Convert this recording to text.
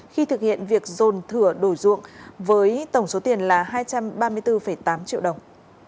khi thực hiện việc dồn thửa đổi ruộng với tổng số tiền là hai trăm ba mươi bốn tám triệu đồng